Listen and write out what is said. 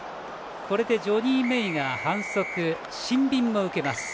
これでジョニー・メイが反則、シンビンを受けます。